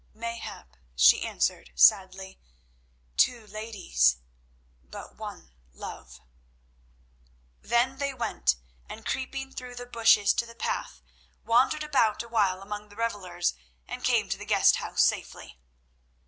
"Mayhap," she answered sadly; "two ladies—but one love." Then they went, and, creeping through the bushes to the path, wandered about awhile among the revellers and came to the guest house safely.